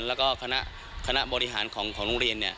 แล้วก็คณะบริหารของโรงเรียน